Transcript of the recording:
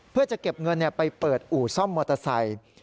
เพื่อจะเก็บเงินไปเปิดอู่ซ่อมมอเตอร์ไซค์